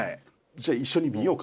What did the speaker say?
じゃあ一緒に見ようか。